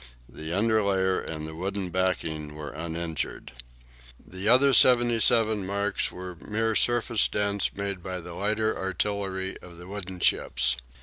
The under layer and the wood backing were uninjured. The other seventy seven marks were mere surface dents made by the lighter artillery of the wooden ships.